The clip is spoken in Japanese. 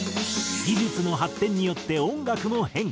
技術の発展によって音楽も変化。